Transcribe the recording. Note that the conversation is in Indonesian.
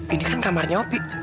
ini kan kamarnya opi